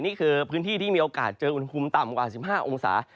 นี่คือพื้นที่ที่มีโอกาสเจออุณหภูมิต่ำกว่า๑๕องศา